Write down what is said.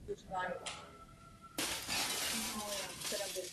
Kraj Saaremaa leží na západě Estonska.